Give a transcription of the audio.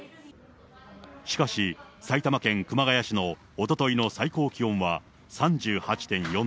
しかし、埼玉県熊谷市のおとといの最高気温は３８．４度。